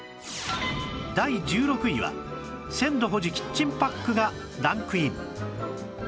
第１６位は鮮度保持キッチンパックがランクイン